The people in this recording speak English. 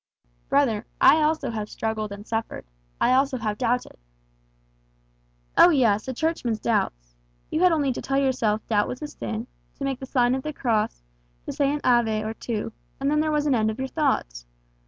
"Brother, I also have struggled and suffered. I also have doubted." "Oh yes, a Churchman's doubts! You had only to tell yourself doubt was a sin, to make the sign of the cross, to say an Ave or two, then there was an end of your doubts.